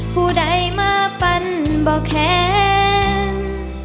ผู้ได้มาปั้นบ่แค้น